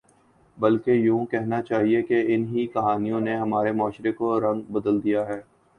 بلکہ یوں کہنا چاہیے کہ ان ہی کہانیوں نے ہمارے معاشرے کا رنگ بدل دیا ہے